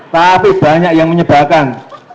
tapi banyak yang menyebalkan